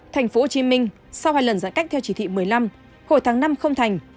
thành phố hồ chí minh sau hai lần giãn cách theo chỉ thị một mươi năm hồi tháng năm không thành